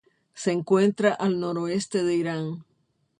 Se encuentra al noroeste de Irán.